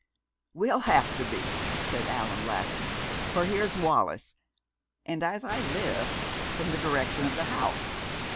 "We'll have to be," said Allan, laughing, "for here's Wallis, and, as I live, from the direction of the house.